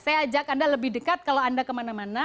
saya ajak anda lebih dekat kalau anda kemana mana